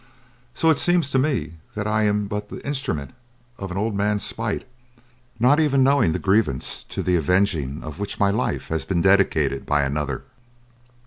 So it seems to me that I am but the instrument of an old man's spite, not even knowing the grievance to the avenging of which my life has been dedicated by another.